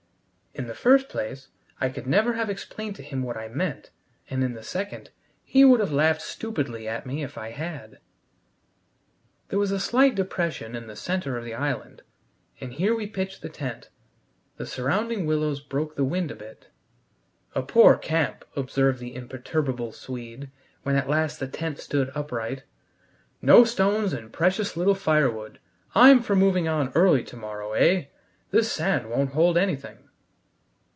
In the first place, I could never have explained to him what I meant, and in the second, he would have laughed stupidly at me if I had. There was a slight depression in the center of the island, and here we pitched the tent. The surrounding willows broke the wind a bit. "A poor camp," observed the imperturbable Swede when at last the tent stood upright; "no stones and precious little firewood. I'm for moving on early to morrow eh? This sand won't hold anything."